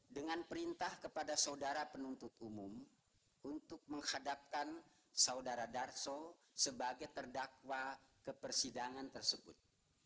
dengan perintah kepada saudara penuntut umum untuk menghadapkan saudara darso sebagai terdakwa ke persidangan tersebut